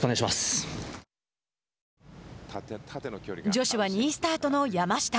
女子は２位スタートの山下。